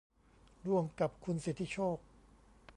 ร่วมกับคุณสิทธิโชค